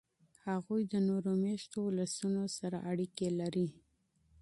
هغوی د نورو میشتو ولسونو سره روابط لري.